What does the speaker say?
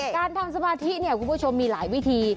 การทำสมาธิเนี่ยคุณผู้ชมมีหลายวิธี